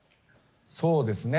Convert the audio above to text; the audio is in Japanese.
そうですね。